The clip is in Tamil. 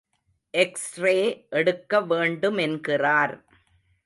எக்ஸ்ரே எடுக்க வேண்டுமென்கிறார்.